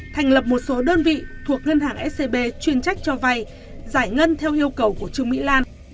thành lập một số đơn vị thuộc ngân hàng scb chuyên trách cho vay giải ngân theo yêu cầu của trương mỹ lan